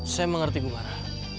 saya mengerti bu mara